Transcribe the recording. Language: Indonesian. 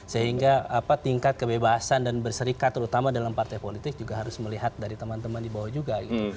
sehingga tingkat kebebasan dan berserikat terutama dalam partai politik juga harus melihat dari teman teman di bawah juga